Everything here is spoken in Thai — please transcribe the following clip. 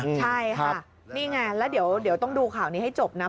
ใช่ค่ะนี่ไงแล้วเดี๋ยวต้องดูข่าวนี้ให้จบนะ